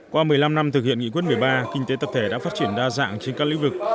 qua một mươi năm năm thực hiện nghị quyết một mươi ba kinh tế tập thể đã phát triển đa dạng trên các lĩnh vực